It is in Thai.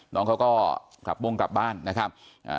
น้องเขาก็กลับวงกลับบ้านนะครับ